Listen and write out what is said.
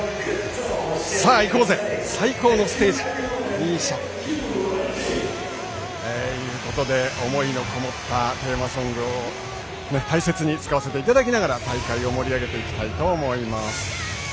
ＭＩＳＩＡさんからメッセージが届いていますのでご紹介します。ということで思いのこもったテーマソングを大切に使わせていただきながら大会を盛り上げていきたいと思います。